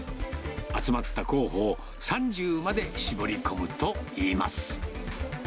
集まった候補を、３０まで絞り込むといいます。